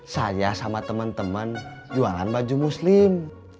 saya sama teman teman jualan baju muslim